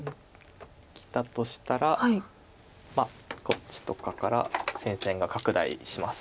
生きたとしたらこっちとかから戦線が拡大します。